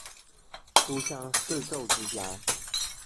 书香世胄之家。